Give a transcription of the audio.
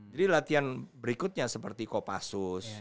jadi latihan berikutnya seperti kopassus